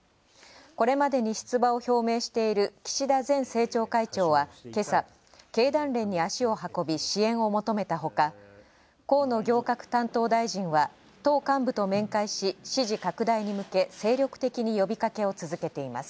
これまでに出馬を表明している岸田前政調会長は今朝、経団連に足を運び支援を求めたほか、河野行革担当大臣は党幹部と面会し、支持拡大に向け精力的に呼びかけを続けています。